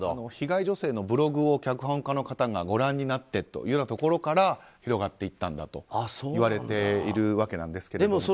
被害女性のブログを脚本家の方がご覧になってというところから広がっていったんだといわれているわけなんですけども。